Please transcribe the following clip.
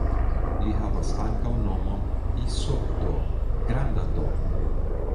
Li havas ankaŭ nomon "Iso D" (granda D).